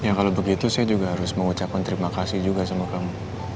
ya kalau begitu saya juga harus mengucapkan terima kasih juga sama kamu